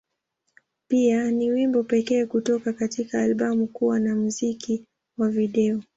Pia, ni wimbo pekee kutoka katika albamu kuwa na muziki wa video.